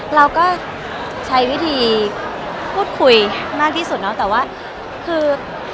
เราก็ใช้วิธีพูดคุยมากที่สุดเนาะแต่ว่าคือ